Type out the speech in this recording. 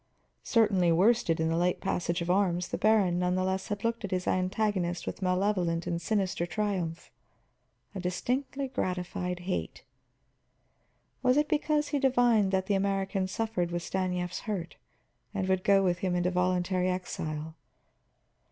Certainly worsted in the late passage of arms, the baron nevertheless had looked at his antagonist with malevolent and sinister triumph, a distinctly gratified hate. Was it because he divined that the American suffered with Stanief's hurt, and would go with him into voluntary exile?